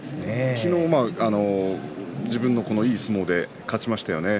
昨日、自分のいい相撲で勝ちましたよね。